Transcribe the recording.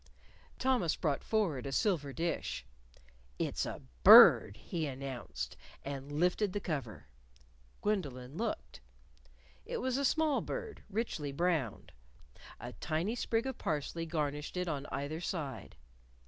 Thomas brought forward a silver dish. "It's a bird!" he announced, and lifted the cover. Gwendolyn looked. It was a small bird, richly browned. A tiny sprig of parsley garnished it on either side.